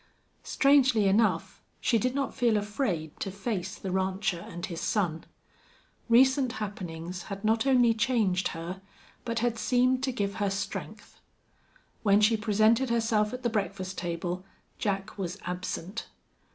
Strangely enough, she did not feel afraid to face the rancher and his son. Recent happenings had not only changed her, but had seemed to give her strength. When she presented herself at the breakfast table Jack was absent.